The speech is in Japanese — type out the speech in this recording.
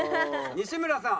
西村さん。